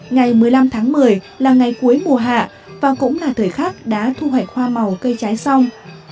ngày một mươi năm tháng một mươi là ngày cuối mùa hạ và cũng là thời khắc đã thu hoạch hoa màu cây trái xong